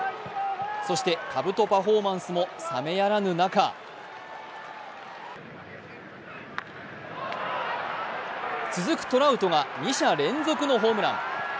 そしてかぶとパフォーマンスも冷めやらぬ中続くトラウトが２者連続のホームラン。